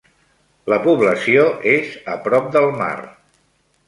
La població és a prop del mar.